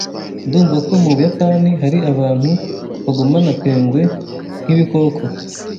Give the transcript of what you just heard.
Ndumva ko mubuyapani hari abantu bagumana pingwin nkibikoko.